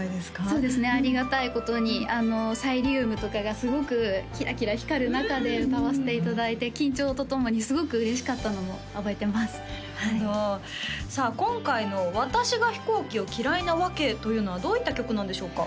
そうですねありがたいことにサイリウムとかがすごくキラキラ光る中で歌わせていただいて緊張とともにすごく嬉しかったのも覚えてますなるほどさあ今回の「私が飛行機を嫌いな理由」というのはどういった曲なんでしょうか？